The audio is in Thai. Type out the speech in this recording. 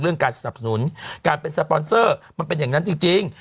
การสนับสนุนการเป็นสปอนเซอร์มันเป็นอย่างนั้นจริง